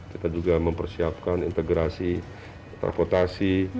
kita juga mempersiapkan integrasi transportasi